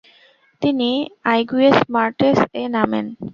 তিনি আইগুয়েস-মর্টেস-এ নামেন।